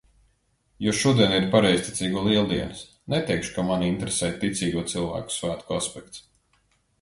Jo šodien ir pareizticīgo Lieldienas. Neteikšu, ka mani interesē ticīgo cilvēku svētku aspekts.